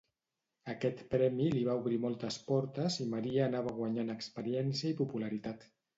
Aquest premi li va obrir moltes portes i Maria anava guanyant experiència i popularitat.